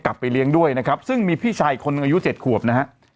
กลับไปเลี้ยงด้วยนะครับซึ่งมีพี่ชายอีกคนนึงอายุเจ็ดขวบนะฮะ